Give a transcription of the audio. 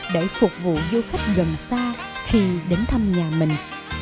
để phục vụ du khách gần xa khi đến thăm nhà mình